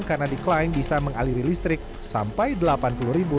karena diklaim bisa mengaliri listrik sampai dua puluh mw